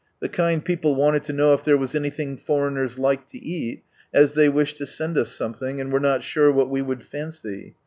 The kind people wanted to know if there was anything foreigners liked to eat, as they wished to send us something, and were not sure what we would fancy